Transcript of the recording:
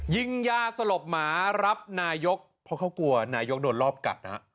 ยิงยาสลบหมารับนายกเพราะเขากลัวนายกโดนรอบกัดฮะ